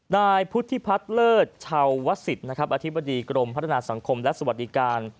นายภทิพัฒน์เลิศชาววัฒิศิอธิบดีกรมพัฒนาสังคมและสวัสดีการ